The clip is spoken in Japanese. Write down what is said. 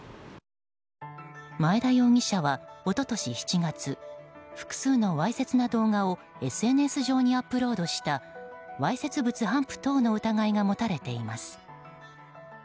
前田容疑者は一昨年７月複数のわいせつな動画をＳＮＳ上にアップロードしたわいせつ物頒布等の疑いが持たれています。